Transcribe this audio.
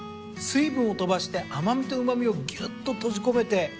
水分を飛ばして甘みとうま味をぎゅっと閉じ込めて。